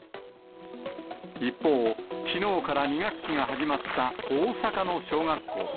一方、きのうから２学期が始まった大阪の小学校。